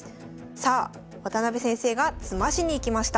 さあ渡辺先生が詰ましにいきました。